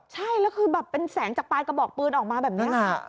ใช่แล้วคือแบบเป็นแสงจากปลายกระบอกปืนออกมาแบบนี้